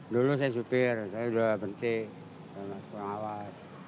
dulu saya supir saya sudah berhenti kurang awas